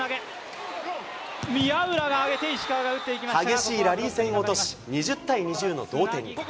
激しいラリー戦を落とし、２０対２０の同点に。